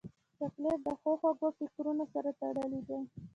چاکلېټ د ښو خوږو فکرونو سره تړلی دی.